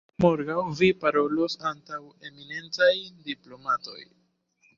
Morgaŭ Vi parolos antaŭ eminentaj diplomatoj!